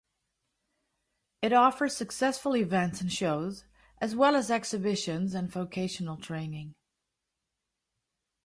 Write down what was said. It offers successful events and shows, as well as exhibitions and vocational training.